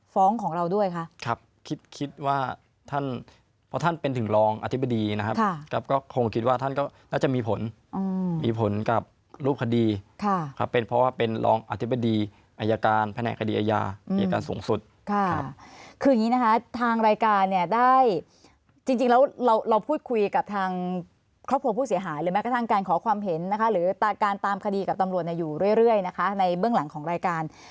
ฟ้องของเราด้วยค่ะครับคิดคิดว่าท่านเพราะท่านเป็นถึงรองอธิบดีนะครับค่ะครับก็คงคิดว่าท่านก็น่าจะมีผลอืมมีผลกับรูปคดีค่ะครับเป็นเพราะว่าเป็นรองอธิบดีอัยการแผนกคดีอายาอัยการสูงสุดค่ะคืออย่างงี้นะคะทางรายการเนี้ยได้จริงจริงแล้วเราเราพูดคุยกับทางครอบครัวผู้เสียหายหรือไม่ก